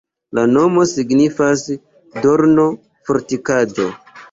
La nomo signifas: dorno-fortikaĵo.